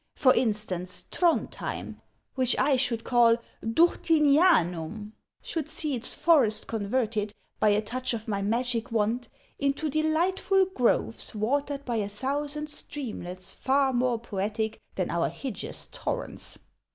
For instance, Throndhjem, which I should call ' Durtinianuin,' should see its forests converted, by a touch of my magic wand, into delightful groves watered by a thousand streamlets far more poetic than our hideous tor rents.